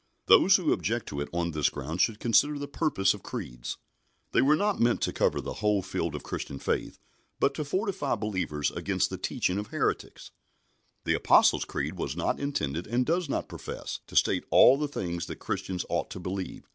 Those who object to it on this ground should consider the purpose of creeds. They were not meant to cover the whole field of Christian faith, but to fortify believers against the teaching of heretics. The Apostles' Creed was not intended, and does not profess, to state all the things that Christians ought to believe.